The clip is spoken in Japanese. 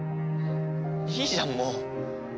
いいじゃんもう。